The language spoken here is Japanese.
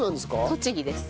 栃木です。